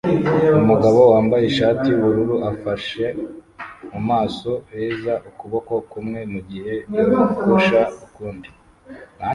Umugabo wambaye ishati yubururu afashe mu maso heza ukuboko kumwe mugihe yogosha ukundi